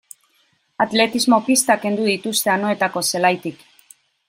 Atletismo-pistak kendu dituzte Anoetako zelaitik.